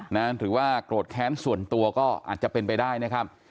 หรือว่าโกรธแค้นส่วนตัวก็อาจจะเป็นไปได้นะครับ